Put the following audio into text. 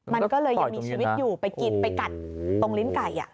มันก็เลยยังมีชีวิตอยู่ไปกินไปกัดตรงลิ้นไก่